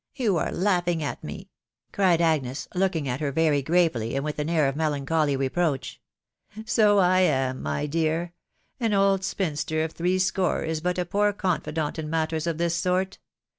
you are laughing at me," cried Agnes, looking at her very gravely, and with an air of melancholy reproach. ' s So I am, my dear : an old spinster of three score is but a poor confidant in matters of this sort ....